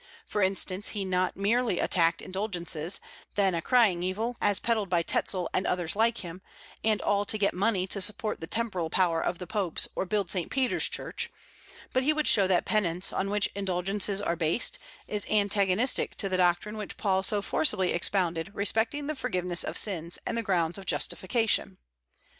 For instance, he not merely attacked indulgences, then a crying evil, as peddled by Tetzel and others like him, and all to get money to support the temporal power of the popes or build St. Peter's church; but he would show that penance, on which indulgences are based, is antagonistic to the doctrine which Paul so forcibly expounded respecting the forgiveness of sins and the grounds of justification.